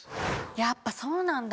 やっぱそうなんだ。